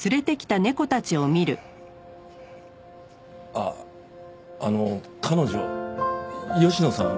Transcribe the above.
あっあの彼女吉野さん